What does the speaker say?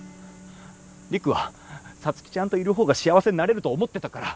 陸は皐月ちゃんといる方が幸せになれると思ってたから。